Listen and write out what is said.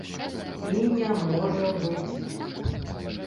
І не можа быць.